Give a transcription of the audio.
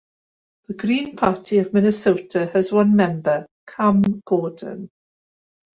The Green Party of Minnesota has one member, Cam Gordon.